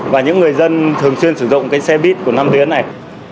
và những người dân thường xuyên sử dụng cái xe buýt của năm tuyến này